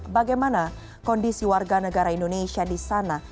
bagaimana kondisi warga negara indonesia di sana